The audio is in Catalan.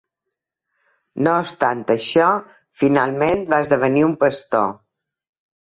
No obstant això, finalment va esdevenir un pastor.